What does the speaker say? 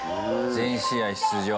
全試合出場。